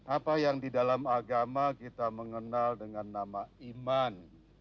apa yang di dalam agama kita mengenal dengan nama iman